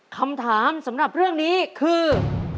คำถามสำหรับเรื่องนี้คือ